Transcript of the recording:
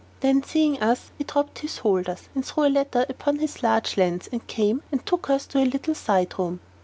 Then seeing us, he dropped his holders, and threw a leather upon his large lens, and came and took us to a little side room.